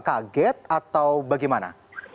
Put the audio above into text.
kaget atau bagaimana